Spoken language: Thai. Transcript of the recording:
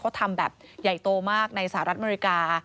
เขาทำแบบใหญ่โตมากในสหรัฐอเมริกา